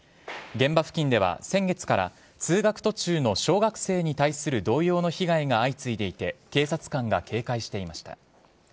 現場付近では先月から通学途中の小学生に対する同様の被害が相次いでいて警察官が警戒していました。